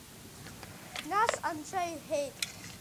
Нас Анцәа иҳәеит…